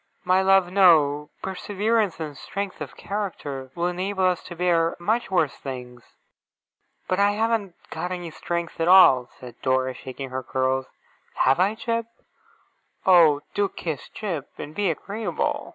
'My love, no. Perseverance and strength of character will enable us to bear much worse things.' 'But I haven't got any strength at all,' said Dora, shaking her curls. 'Have I, Jip? Oh, do kiss Jip, and be agreeable!